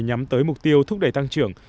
nhắm tới mục tiêu thúc đẩy tăng trưởng